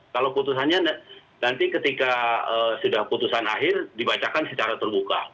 kalau putusannya nanti ketika sudah putusan akhir dibacakan secara terbuka